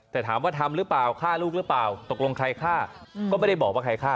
แต่ถามว่าทำหรือเปล่าฆ่าลูกหรือเปล่าตกลงใครฆ่าก็ไม่ได้บอกว่าใครฆ่า